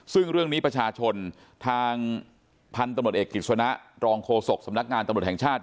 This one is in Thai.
ซึ่งเรื่องนี้ประชาชนทางพันธุ์ตำรวจเอกกิจสนะรองโฆษกสำนักงานตำรวจแห่งชาติ